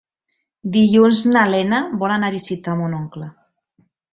Dilluns na Lena vol anar a visitar mon oncle.